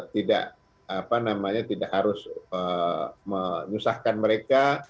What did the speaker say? tidak harus menyusahkan mereka